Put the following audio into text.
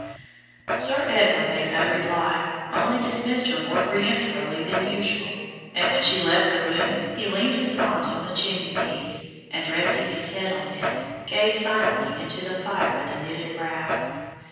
Sir Edward made no reply, only dismissed her more peremptorily than usual, and when she had left the room he leaned his arms on the chimney piece, and resting his head on them, gazed silently into the fire with a knitted brow.